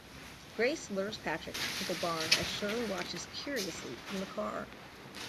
Grace lures Patrick to the barn as Shirley watches curiously from the car.